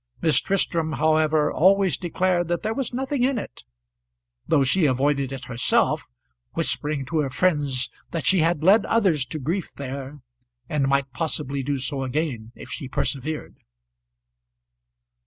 Miss Tristram, however, always declared that there was nothing in it though she avoided it herself, whispering to her friends that she had led others to grief there, and might possibly do so again if she persevered.